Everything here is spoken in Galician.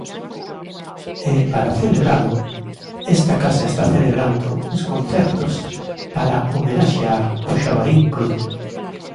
E para celebralo, esta casa está celebrando uns concertos para homenaxear o Xabarín Club.